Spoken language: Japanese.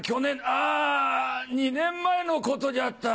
あ２年前のことじゃった。